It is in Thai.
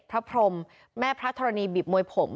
พรมแม่พระธรณีบีบมวยผม